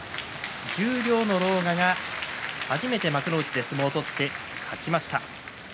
十両の狼雅が初めて幕内で相撲を取って勝ちました。